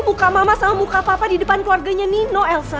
buka mama sama muka papa di depan keluarganya nino elsa